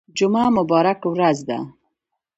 جمعه مبارکه ورځ ده